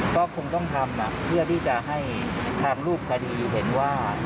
ก็คงต้องทำเพื่อที่จะให้ทางรูปคดีเห็นว่า